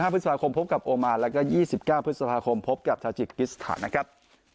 พฤษภาคมพบกับโอมานแล้วก็๒๙พฤษภาคมพบกับทาจิกกิสถานนะครับ